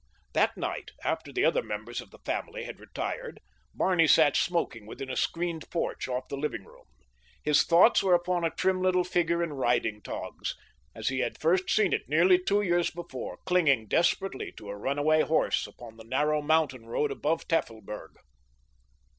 That night, after the other members of his family had retired, Barney sat smoking within a screened porch off the living room. His thoughts were upon a trim little figure in riding togs, as he had first seen it nearly two years before, clinging desperately to a runaway horse upon the narrow mountain road above Tafelberg.